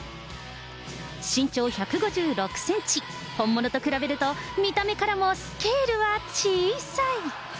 身長１５６センチ、本物と比べると見た目からもスケールは小さい。